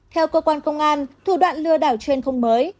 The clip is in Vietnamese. theo cơ quan công an thủ đoạn lừa đảo trên không mới